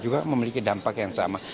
kedampak yang sama